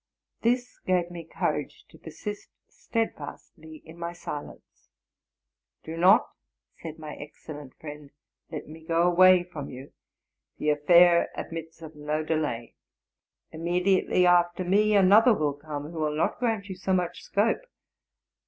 This gave me courage to persist steadfastly in my silence. '* Do not,'' said my excellent friend, '' let me go away from you; the affair admits of no delay ; immediately after me another will come, who. will not grant you so much scope.